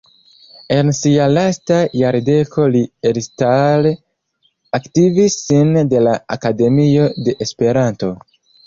En sia lasta jardeko li elstare aktivis sine de la Akademio de Esperanto.